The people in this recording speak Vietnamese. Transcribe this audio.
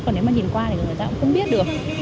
còn nếu mà nhìn qua thì người ta cũng không biết được